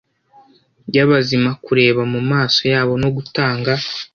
yabazima kureba mumaso yabo no gutanga